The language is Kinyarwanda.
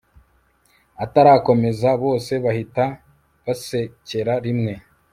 atarakomeza bose bahita basekera rimwe